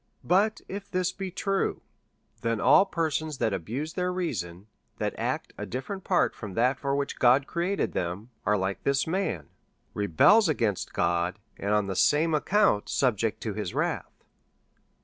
But, if this be true, then all persons that abuse their reason, who act a diiVerent part from that for which God created them, are, like this man, rebels against God, and, on tlie same account, sub ject to his wrath.